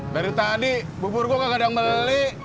baru tadi bubur gue gak ada yang beli